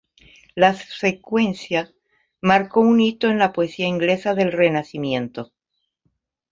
La secuencia marcó un hito en la poesía inglesa del Renacimiento.